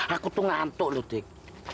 aku tuh ngantuk loh dik